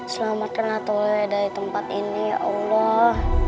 selamatkanlah tuhan dari tempat ini ya allah